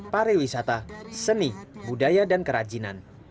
pariwisata seni budaya dan kerajinan